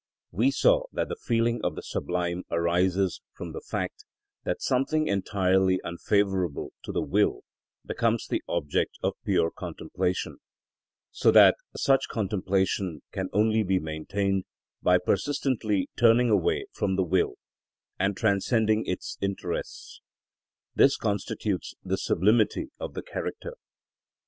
We saw that the feeling of the sublime arises from the fact, that something entirely unfavourable to the will, becomes the object of pure contemplation, so that such contemplation can only be maintained by persistently turning away from the will, and transcending its interests; this constitutes the sublimity of the character.